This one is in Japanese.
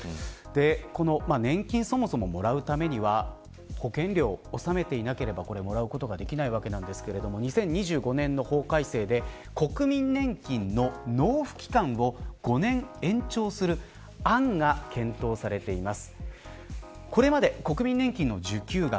この年金そもそも、もらうためには保険料を納めていなければもらうことができないわけなんですが２０２５年の法改正で国民年金の納付期間を５年延長する案が検討されています。